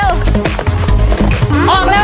เร็วเร็วเร็ว